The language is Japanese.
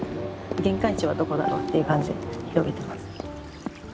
限界値はどこだろうっていう感じで広げてます。